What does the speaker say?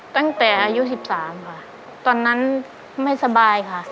ตั้งแต่อายุ๑๓ค่ะตอนนั้นไม่สบายค่ะ